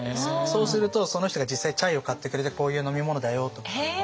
そうするとその人が実際にチャイを買ってくれてこういう飲み物だよとか。